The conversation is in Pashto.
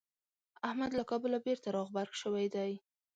احمد له کابله بېرته راغبرګ شوی دی.